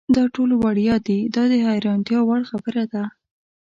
دا ټول وړیا دي دا د حیرانتیا وړ خبره ده.